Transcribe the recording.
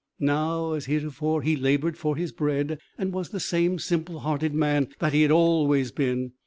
Now, as heretofore, he laboured for his bread, and was the same simple hearted man that he had always been.